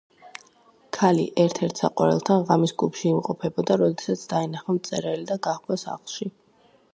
ქალი ერთ-ერთ საყვარელთან ღამის კლუბში იმყოფებოდა, როდესაც დაინახა მწერალი და გაჰყვა სახლში.